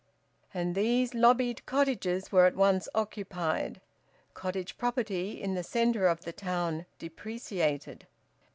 And these lobbied cottages were at once occupied. Cottage property in the centre of the town depreciated.